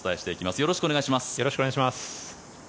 よろしくお願いします。